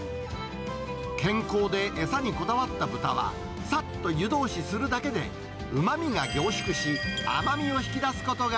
健康で餌にこだわった豚は、さっと湯通しするだけで、うまみが凝縮し、甘みを引き出すことが